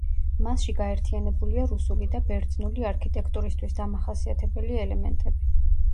მასში გაერთიანებულია რუსული და ბერძნული არქიტექტურისთვის დამახასიათებელი ელემენტები.